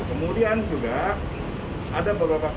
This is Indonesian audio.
kemudian juga ada beberapa kasus buruk di